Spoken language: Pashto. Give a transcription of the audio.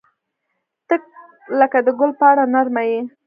• ته لکه د ګل پاڼه نرمه یې.